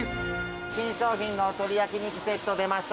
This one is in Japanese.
新商品の鶏焼き肉セット出ました。